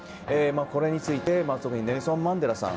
これについて特にネルソン・マンデラさん。